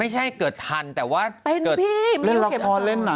ไม่ใช่เกิดทันแต่ว่า